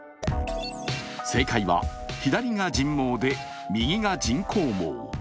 正解は左が人毛で右が人工毛。